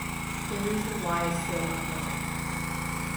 The reason why is still unknown.